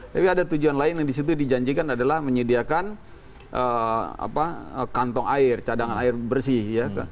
tapi ada tujuan lain yang disitu dijanjikan adalah menyediakan kantong air cadangan air bersih ya